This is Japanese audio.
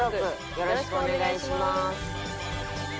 よろしくお願いします。